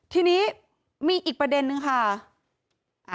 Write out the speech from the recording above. ทีนี้มีอีกประเด็นนึงค่ะ